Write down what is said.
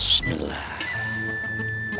sebentar ya pa